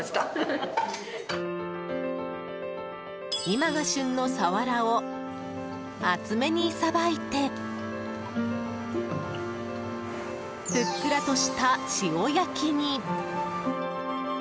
今が旬のサワラを厚めにさばいてふっくらとした塩焼きに。